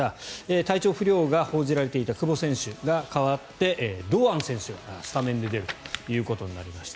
体調不良が報じられていた久保選手が代わって堂安選手がスタメンで出るということになりました。